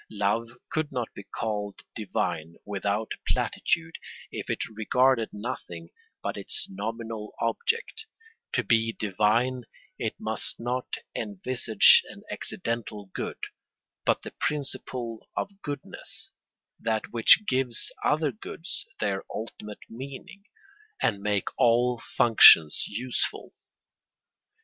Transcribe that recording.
Love could not be called divine without platitude if it regarded nothing but its nominal object; to be divine it must not envisage an accidental good but the principle of goodness, that which gives other goods their ultimate meaning, and makes all functions useful.